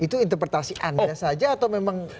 itu interpretasi anda saja atau memang